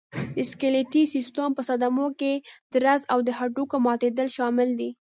د سکلېټي سیستم په صدمو کې درز او د هډوکو ماتېدل شامل دي.